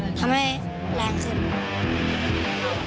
ทำให้แรงขึ้น